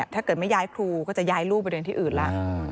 ถ้าเกิดไม่ย้ายครูก็จะย้ายลูกไปเรียนที่อื่นแล้ว